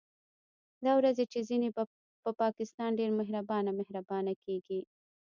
دا ورځې چې ځينې په پاکستان ډېر مهربانه مهربانه کېږي